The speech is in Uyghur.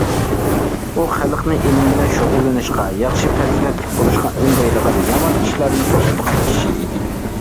ئۇ خەلقنى ئىلىم بىلەن شۇغۇللىنىشقا، ياخشى پەزىلەتلىك بولۇشقا ئۈندەيدىغان، يامان ئىشلاردىن توسىدىغان كىشى ئىدى.